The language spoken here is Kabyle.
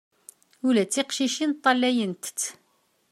Ula d tiqcicin ṭṭalayent-tt.